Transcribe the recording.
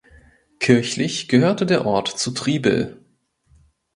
Kirchlich gehörte der Ort zu Triebel.